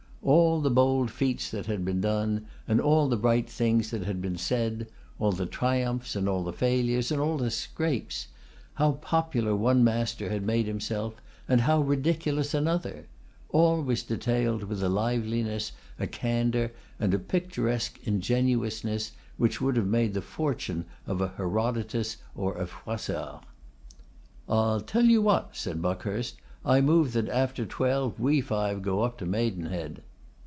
All the bold feats that had been done, and all the bright things that had been said; all the triumphs, and all the failures, and all the scrapes; how popular one master had made himself, and how ridiculous another; all was detailed with a liveliness, a candour, and a picturesque ingenuousness, which would have made the fortune of a Herodotus or a Froissart. 'I'll tell you what,' said Buckhurst, 'I move that after twelve we five go up to Maidenhead.